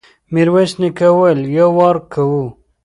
ميرويس نيکه وويل: يو وار کوو.